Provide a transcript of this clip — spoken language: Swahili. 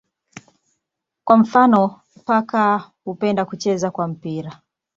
Kwa mfano paka hupenda kucheza kwa mpira.